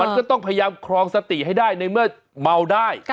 มันก็ต้องพยายามครองสติให้ได้ในเมื่อเมาได้